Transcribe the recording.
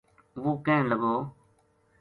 ‘‘وہ کہن لگو